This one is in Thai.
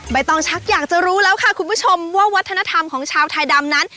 ต้องชักอยากจะรู้แล้วค่ะคุณผู้ชมว่าวัฒนธรรมของชาวไทยดำนั้น